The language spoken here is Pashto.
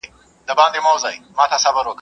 طبیعي ځایونه خلک جذبوي